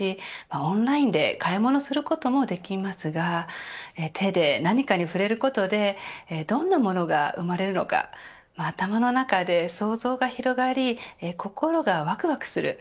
オンラインで買い物することもできますが手で何かに触れることでどんなものが生まれるのか頭の中で想像が広がり心がわくわくする